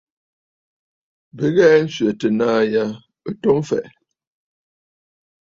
Bɨ ghɛɛ nswɛ̀tə naà ya ɨ to mfɛ̀ʼɛ̀.